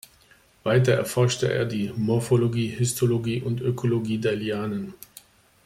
Weiter erforschte er die Morphologie, Histologie und Ökologie der Lianen.